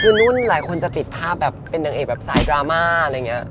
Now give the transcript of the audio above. คือนุ่นหลายคนจะติดภาพแบบเป็นนางเอกแบบสายดราม่าอะไรอย่างนี้